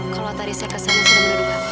kalau tadi saya kesana saya udah jadi apa